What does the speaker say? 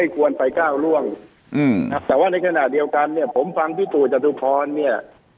ไม่ควรไปเก้าร่วงแต่ว่าในขณะเดียวกันผมฟังที่สุธิ์จิตุภอนทิศ